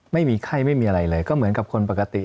ไม่มีไข้ไม่มีอะไรเลยก็เหมือนกับคนปกติ